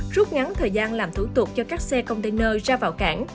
rút ngắn thời gian làm thủ tục cho các xe container ra vào cảng